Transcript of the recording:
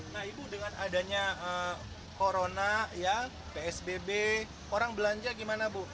nah ibu dengan adanya corona ya psbb orang belanja gimana bu